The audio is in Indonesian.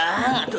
yang bernama alvin